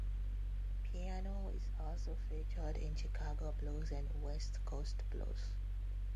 Piano is also featured in Chicago blues and West Coast blues.